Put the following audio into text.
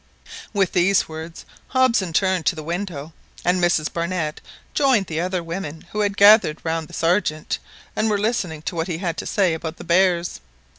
With these words Hobson turned to the window, and Mrs Barnett joined the other women, who had gathered round the Sergeant, and were listening to what he had to say about the bears.